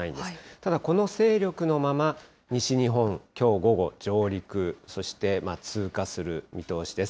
ただ、この勢力のまま、西日本、きょう午後、上陸、そして、通過する見通しです。